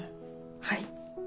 はい。